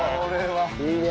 いいね。